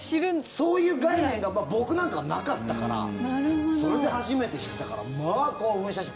そういう概念が僕なんかはなかったからそれで初めて知ったからまあ興奮したし。